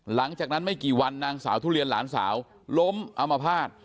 หลังจากนั้นไม่กี่วันนางสาวทุเรียนหลานสาวล้มอมภาษณ์